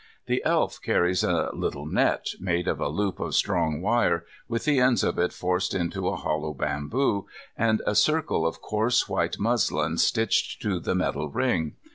The Elf carries a little net, made of a loop of strong wire, with the ends of it forced into a hollow bamboo, and a circle of coarse white muslin stitched to the metal ring.